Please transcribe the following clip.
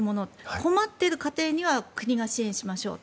困っている家庭には国が支援しましょうと。